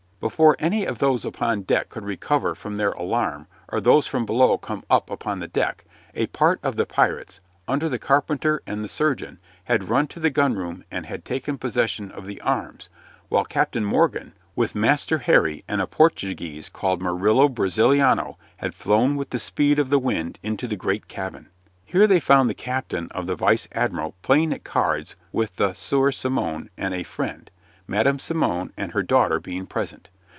Before any of those upon deck could recover from their alarm or those from below come up upon deck, a part of the pirates, under the carpenter and the surgeon, had run to the gun room and had taken possession of the arms, while Captain Morgan, with Master Harry and a Portuguese called Murillo Braziliano, had flown with the speed of the wind into the great cabin. Here they found the captain of the vice admiral playing at cards with the Sieur Simon and a friend, Madam Simon and her daughter being present.